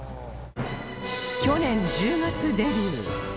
去年１０月デビュー